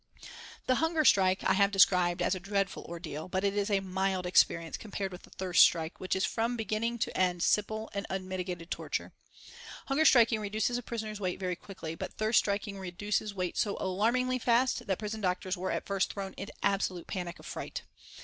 The hunger strike I have described as a dreadful ordeal, but it is a mild experience compared with the thirst strike, which is from beginning to end simple and unmitigated torture. Hunger striking reduces a prisoner's weight very quickly, but thirst striking reduces weight so alarmingly fast that prison doctors were at first thrown into absolute panic of fright.